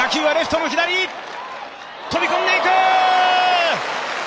飛び込んでいく！